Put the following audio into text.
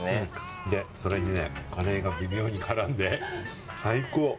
それにカレーが微妙に絡んで、最高！